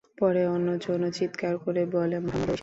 পরে অন্যজনও চিৎকার করে বলে, মুহাম্মাদও এসেছে।